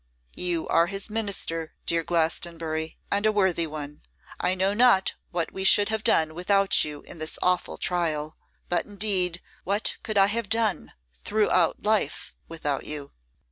'You are his minister, dear Glastonbury, and a worthy one. I know not what we should have done without you in this awful trial; but, indeed, what could I have done throughout life without you?